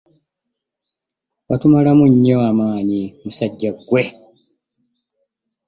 Watumalamu nnyo amaanyi musajja ggwe.